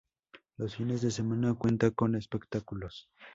Los fines de semana cuenta con espectáculos.